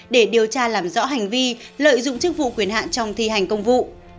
để điều tra làm rõ hành vi lợi dụng chức vụ quyền hạn trong thi hành công vụ